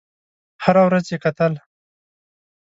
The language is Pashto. هره ورځ یې کتل.